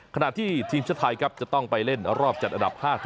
ขณะที่ทีมชาติไทยครับจะต้องไปเล่นรอบจัดอันดับ๕๐